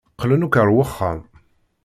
Qqlen akk ar wexxam.